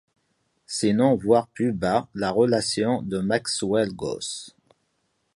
Sinon voir plus bas la relation de Maxwell-Gauss.